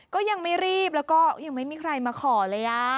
ก็ยังไม่รีบแล้วก็ยังไม่มีใครมาขอเลย